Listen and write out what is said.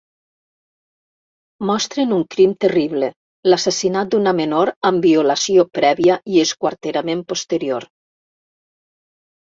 Mostren un crim terrible, l'assassinat d'una menor amb violació prèvia i esquarterament posterior.